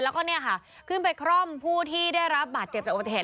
แล้วก็เนี่ยค่ะขึ้นไปคร่อมผู้ที่ได้รับบาดเจ็บจากอุบัติเหตุ